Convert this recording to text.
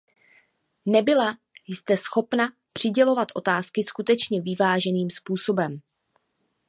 Nebyla jste schopna přidělovat otázky skutečně vyváženým způsobem.